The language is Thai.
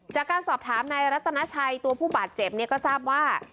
จากการสอบถามนายรัตนาชัยตัวผู้บาดเจ็บเนี่ยก็ทราบว่า